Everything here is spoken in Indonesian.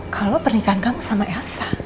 kalau pernikahan kamu sama elsa